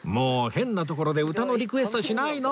変な所で歌のリクエストしないの！